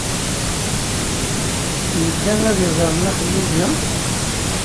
Yedda ad d-iẓer Nna Xelluǧa?